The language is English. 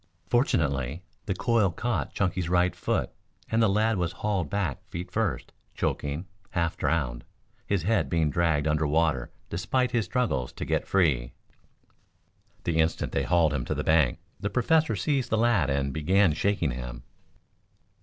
Fortunately the coil caught Chunky's right foot and the lad was hauled back feet first, choking, half drowned, his head being dragged under water despite his struggles to get free. The instant they hauled him to the bank the Professor seized the lad and began shaking him.